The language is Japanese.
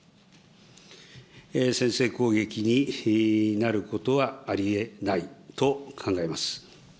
先制攻撃になることはありえないと考えます。